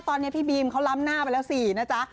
ตอนนี้พี่บีมเขาล้ำหน้าไปแล้วสินะจ๊ะ